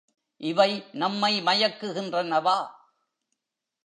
இவை நம்மை மயக்குகின்றனவா?